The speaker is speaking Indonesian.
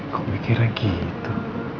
kok mikirnya gitu